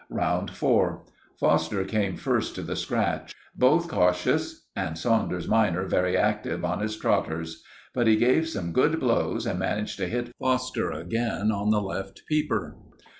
"Round 4.—Foster came first to the scratch. Both cautious, and Saunders minor very active on his trotters. But he gave some good blows, and managed to hit Foster again on the left peeper.